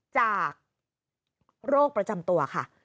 จากโรคประจำตัวค่ะ